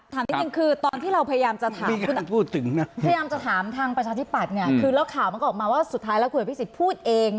ถามนิดนึงคือตอนที่เราพยายามจะถามข่าวมันออกมาว่าสุดท้ายแล้วคุณพี่ศิษย์พูดเอง